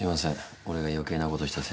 俺が余計なことしたせいで。